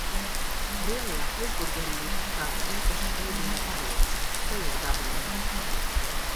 Lielajā Hesburgerī ir kāds īpašs ēdiena paveids - sojas gabaliņi.